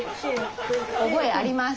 覚えあります。